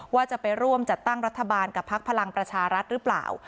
ว่าจะไปร่วมจัดตั้งรัฐบาลกับพักพลังประชารัฐหรือเปล่า